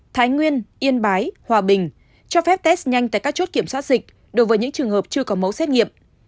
thái nguyên yên bái hòa bình cho phép test nhanh tại các chốt kiểm soát dịch đối với những trường hợp chưa có mẫu xét nghiệm